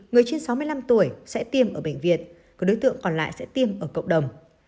người trên sáu mươi năm tuổi sẽ tiêm ở bệnh viện các đối tượng còn lại sẽ tiêm ở cộng đồng